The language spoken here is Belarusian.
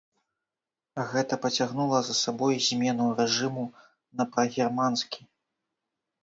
Гэта пацягнула за сабой змену рэжыму на прагерманскі.